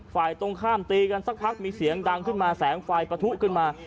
ฝ่ายตรงข้ามตีกันสักพักมีเสียงดังขึ้นมาแสงไฟปะทุขึ้นมา